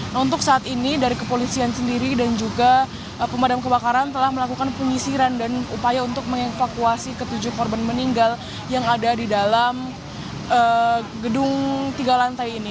nah untuk saat ini dari kepolisian sendiri dan juga pemadam kebakaran telah melakukan penyisiran dan upaya untuk mengevakuasi ketujuh korban meninggal yang ada di dalam gedung tiga lantai ini